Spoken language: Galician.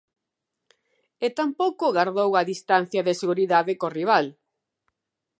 E tampouco gardou a distancia de seguridade co rival.